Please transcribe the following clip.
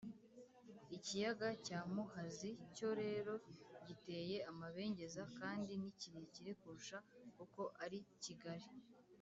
ikiyaga cya muhazi cyo rero giteye amabengeza kandi ni kirekire kurusha uko ari kigari